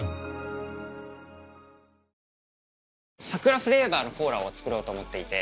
桜フレーバーのコーラを作ろうと思っていて。